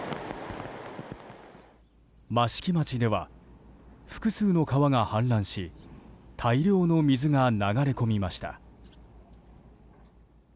益城町では、複数の川が氾濫し大量の水が流れ込みました。